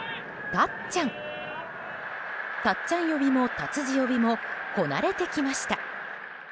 たっちゃん呼びも達治呼びもこなれてきました。